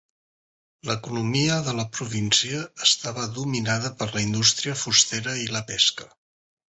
L'economia de la província estava dominada per la indústria fustera i la pesca.